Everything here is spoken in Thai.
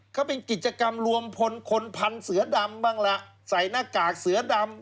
เขาเป็นกิจกรรมรวมพลคนพันเสือดำบ้างล่ะใส่หน้ากากเสือดำ